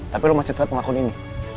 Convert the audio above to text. tapi lo masih tetep ngelakuin ini